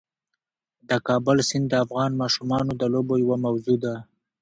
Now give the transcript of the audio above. د کابل سیند د افغان ماشومانو د لوبو یوه موضوع ده.